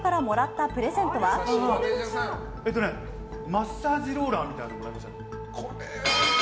マッサージローラーみたいなのもらいましたね。